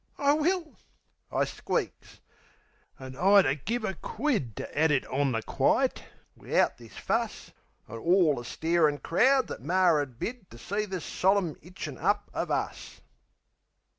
"I will," I squeaks. An' I'd 'a' give a quid To 'ad it on the quite, wivout this fuss, An' orl the starin' crowd that Mar 'ad bid To see this solim hitchin' up of us.